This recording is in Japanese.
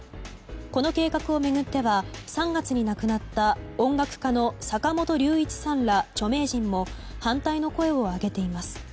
この計画を巡っては３月に亡くなった音楽家の坂本龍一さんら著名人も反対の声を上げています。